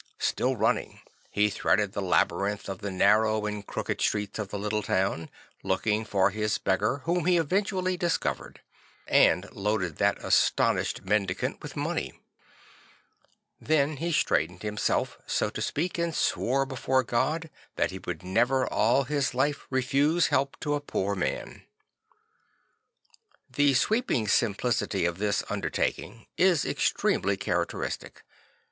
Still running, he threaded the labyrinth of the narrow and crooked streets of the little town, looking for his beggar, whom he eventually discovered; and loaded that astonished mendicant with money. Then he straightened himself, so to speak, and swore before God that he would never al1 his life refuse help to a poor man. The sweeping simplicity of this undertaking is extremely characteristic.